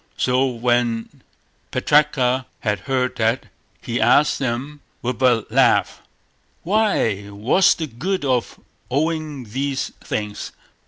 So when Putraka had heard that, he asked them with a laugh: "Why, what's the good of owning these things?"